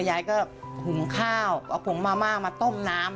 ยายก็หุงข้าวเอาผงมาม่ามาต้มน้ำ